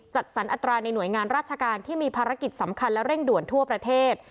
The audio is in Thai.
จัดสรรอัตราในหน่วยงานราชการที่มีภารกิจสำคัญและเร่งด่วนทั่วประเทศ